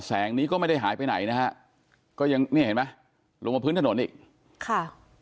แสงนี้ก็ไม่ได้หายไปไหนนะฮะก็ยังนี่เห็นไหมลงมาพื้นถนนอีกค่ะ